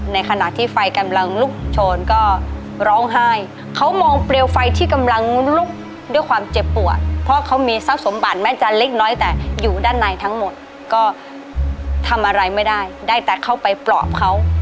ในขณะที่ไฟกำลังลุกโชนก็ร้องไห้เขามองเปลวไฟที่กำลังลุกด้วยความเจ็บปวดเพราะเขามีทรัพย์สมบัติแม่จันทร์เล็กน้อยแต่อยู่ด้านในทั้งหมดก็ทำอะไรไม่ได้ได้แต่เข้าไปปลอบเขา